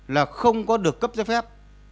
là không có được cấp giấy phép